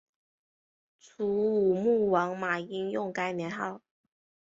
楚武穆王马殷用该年号。